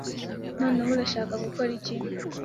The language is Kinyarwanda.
Noneho, urashaka gukora iki?